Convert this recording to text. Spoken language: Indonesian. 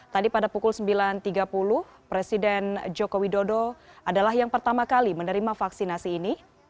tadi pada pukul sembilan tiga puluh presiden joko widodo adalah yang pertama kali menerima vaksinasi ini